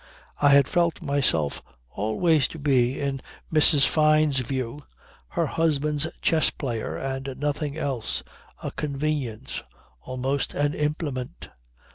I had felt myself always to be in Mrs. Fyne's view her husband's chess player and nothing else a convenience almost an implement.